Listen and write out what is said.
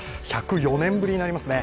１０４年ぶりになりましたね